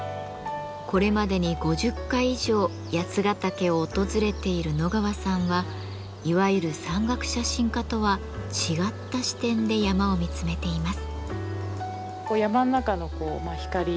これまでに５０回以上八ヶ岳を訪れている野川さんはいわゆる山岳写真家とは違った視点で山を見つめています。